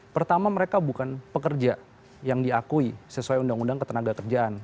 pertama mereka bukan pekerja yang diakui sesuai undang undang ketenaga kerjaan